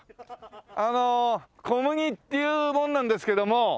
あの小麦っていう者なんですけども。